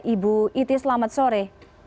ibu iti selamat sore